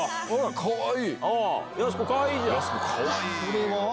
かわいい。